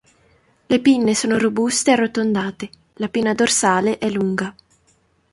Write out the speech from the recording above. Le pinne sono robuste e arrotondate, la pinna dorsale è lunga.